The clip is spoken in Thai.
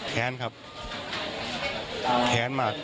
แขนครับแขนมาก